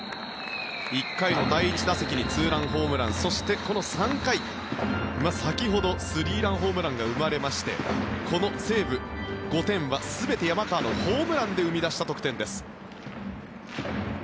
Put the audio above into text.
１回の第１打席にツーランホームランそして、この３回先ほどスリーランホームランが生まれましてこの西武５点は全て山川のホームランで生み出した得点です。